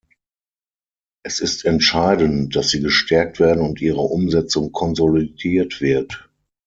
Es ist entscheidend, dass sie gestärkt werden und ihre Umsetzung konsolidiert wird.